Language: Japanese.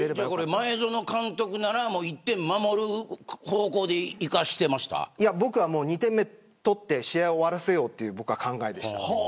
前園監督ならもう１点守る方向で僕は２点目を取って試合を終わらせようという考えでした。